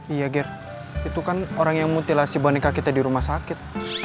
iya ger itu kan orang yang mutilasi boneka kita di rumah sakit